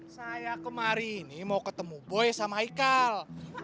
saya kemarin mau ketemu boy sama iqal